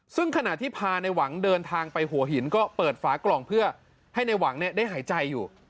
ซึ่งขณะที่พาในหวังเดินทางไปหัวหินก็เปิดฝากล่องเพื่อให้ในหวังได้หายใจอยู่